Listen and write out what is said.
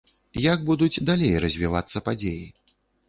Як будуць далей развівацца падзеі?